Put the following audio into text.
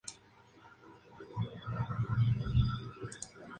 Estos elementos, como el escudo de armas del jefe, son propiedad exclusiva del mismo.